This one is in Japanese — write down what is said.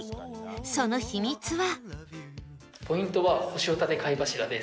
その秘密は